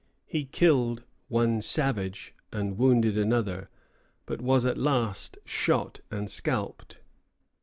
He killed one savage and wounded another, but was at last shot and scalped.